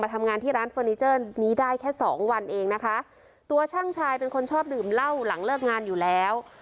ทำงานที่ร้านเฟอร์นิเจอร์นี้ได้แค่สองวันเองนะคะตัวช่างชายเป็นคนชอบดื่มเหล้าหลังเลิกงานอยู่แล้ว